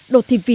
đột thịt vịt